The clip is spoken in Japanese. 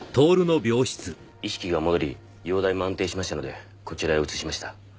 意識が戻り容態も安定しましたのでこちらへ移しました。